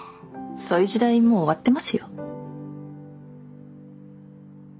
そういう時代もう終わってますよ。